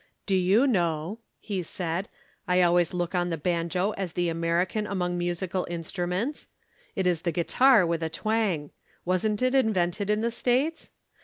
"Do you know," he said, "I always look on the banjo as the American among musical instruments. It is the guitar with a twang. Wasn't it invented in the States?